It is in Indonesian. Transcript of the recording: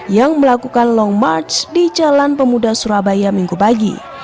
yang melakukan long march di jalan pemuda surabaya minggu pagi